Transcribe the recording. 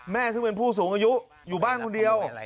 ซึ่งเป็นผู้สูงอายุอยู่บ้านคนเดียว